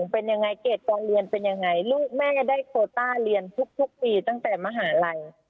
ภารกิจประเวทเป็นยังไงลูกแม่ได้โปรตาร์เรียนทุกปีตั้งแต่มหาลัย